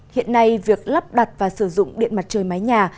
hiện nay việc lắp đặt và sử dụng điện mặt trời mái nhà